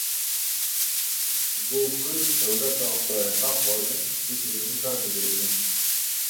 Ji bo ku Kurd dewleta xwe nexwazin tiştên wisa dibêjin.